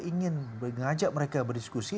ingin mengajak mereka berdiskusi